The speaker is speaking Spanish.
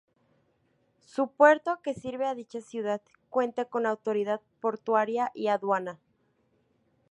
Su puerto, que sirve a dicha ciudad, cuenta con Autoridad Portuaria y Aduana.